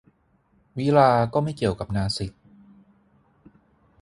วิฬาร์ก็ไม่เกี่ยวกับนาสิก